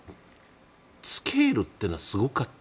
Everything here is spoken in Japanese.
スケールというのはすごかった。